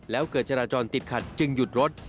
แล้วเกิดจราจรติดขัดจึงหยุดรถ